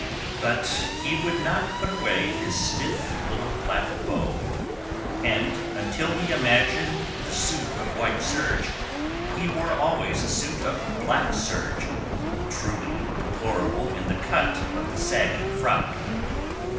But he would not put away his stiff little black bow, and until he imagined the suit of white serge, he wore always a suit of black serge, truly deplorable in the cut of the sagging frock.